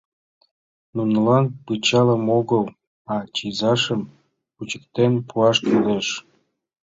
Нунылан пычалым огыл, а чызашым кучыктен пуаш кӱлеш...